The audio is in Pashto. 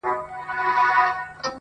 د اباسین څپې دي یوسه کتابونه!.